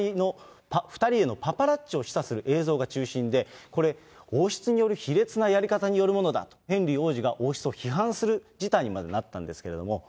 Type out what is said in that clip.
２人へのパパラッチを示唆する映像が中心で、これ、王室による卑劣なやり方によるものだと、ヘンリー王子が王室を批判する事態にまでなったんですけども。